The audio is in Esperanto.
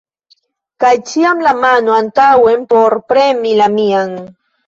Kaj ĉiam la mano antaŭen por premi la mian!